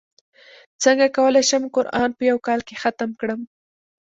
څنګه کولی شم قران په یوه کال کې ختم کړم